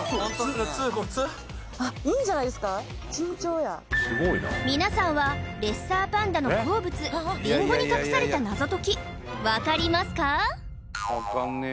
いいんじゃないですか順調や皆さんはレッサーパンダの好物リンゴに隠された謎解きわかりますか？